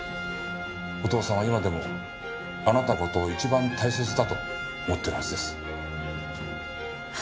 お父さんは今でもあなたの事を一番大切だと思ってるはずです。